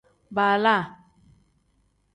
Baala.